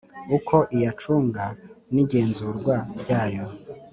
uko iyacunga n igenzurwa ryayo